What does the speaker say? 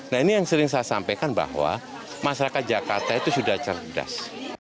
nah ini yang sering saya sampaikan bahwa masyarakat jakarta itu sudah cerdas